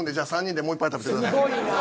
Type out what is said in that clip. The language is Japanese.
すごいな。